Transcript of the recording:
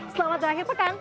selamat terakhir pekan